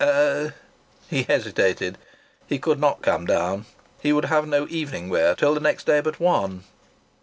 "Er " He hesitated. He could not come down. He would have no evening wear till the next day but one.